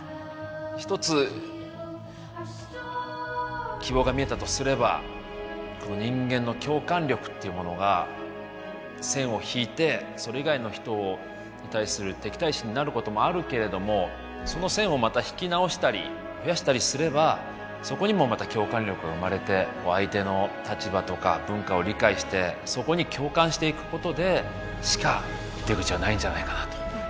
一つ希望が見えたとすればこの人間の共感力っていうものが線を引いてそれ以外の人に対する敵対心になることもあるけれどもその線をまた引き直したり増やしたりすればそこにもまた共感力が生まれて相手の立場とか文化を理解してそこに共感していくことでしか出口はないんじゃないかなと。